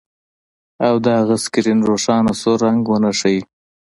او د هغه سکرین روښانه سور رنګ ونه ښيي